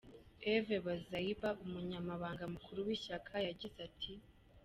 Eve Bazaiba, umunyamabanga mukuru w'ishyaka, yagize ati:.